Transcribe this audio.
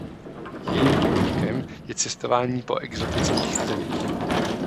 Jejím koníčkem je cestování po exotických zemích.